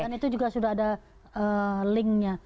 dan itu juga sudah ada linknya